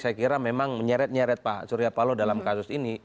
saya kira memang menyeret nyeret pak surya paloh dalam kasus ini